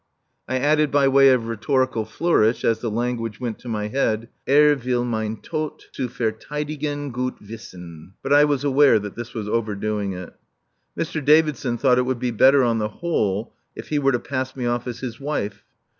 I added by way of rhetorical flourish as the language went to my head: "Er will mein Tod zu vertheidigen gut wissen;" but I was aware that this was overdoing it. Mr. Davidson thought it would be better on the whole if he were to pass me off as his wife.